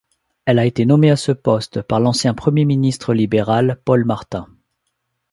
Elle a été nommée à ce poste par l'ancien Premier ministre libéral Paul Martin.